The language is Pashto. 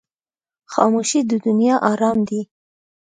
خاموشي، د دنیا آرام دی.